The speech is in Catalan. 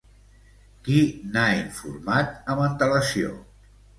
Qui n'ha informat amb antelació?